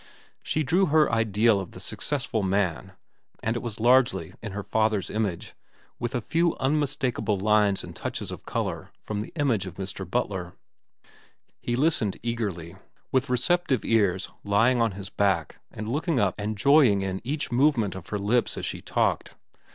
She drew her ideal of the successful man, and it was largely in her father's image, with a few unmistakable lines and touches of color from the image of Mr. Butler. He listened eagerly, with receptive ears, lying on his back and looking up and joying in each movement of her lips as she talked.